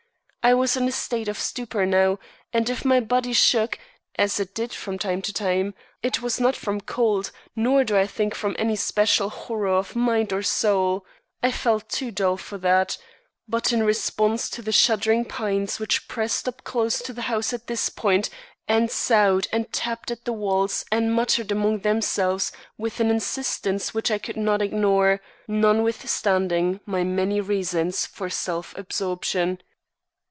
I was in a state of stupor now, and if my body shook, as it did from time to time, it was not from cold, nor do I think from any special horror of mind or soul (I felt too dull for that), but in response to the shuddering pines which pressed up close to the house at this point and soughed and tapped at the walls and muttered among themselves with an insistence which I could not ignore, notwithstanding my many reasons for self absorption.